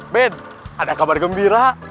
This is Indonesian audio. ben ada kabar gembira